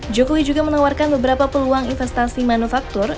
jokowi juga menawarkan beberapa peluang investasi manufaktur